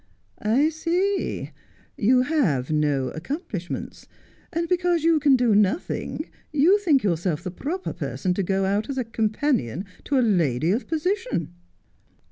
' I see. You have no accomplishments : and because you can do nothing you think yourself the proper person to go out as companion to a lady of position.'